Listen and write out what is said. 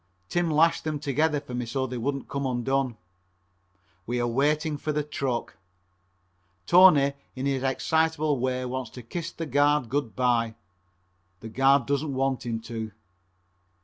Tim lashed them together for me so they wouldn't come undone. We are waiting for the truck. Tony in his excitable way wants to kiss the guard good by. The guard doesn't want him to.